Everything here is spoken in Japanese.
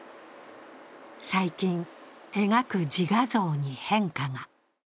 最近、描く自画像に変化が。